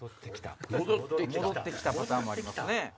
戻ってきたパターンもありますね。